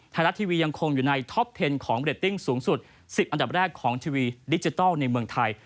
ยังคงอยู่ในท็อปเทนของเรตติ้งสูงสุด๑๐อันดับแรกของทีวีดิจิทัลในเมืองไทย